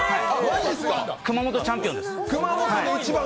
熊本チャンピオンです。